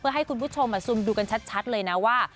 เพื่อให้คุณผู้ชมมาซุมดูชัดเลยนะว่า